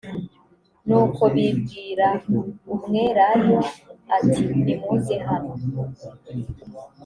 nuko bibwira umwelayo ati nimuze hano